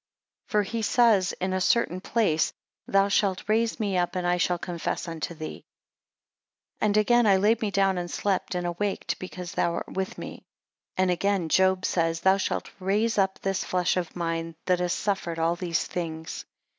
7 For he says in a certain place, Thou shalt raise me up and I shall confess unto thee. 8 And again, I laid me down and slept, and awaked, because thou art with me. 9 And again, Job says, Thou shalt raise up this flesh of mine, that has suffered all these things.